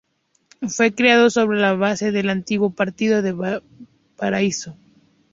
Fue creado sobre la base del antiguo Partido de Valparaíso.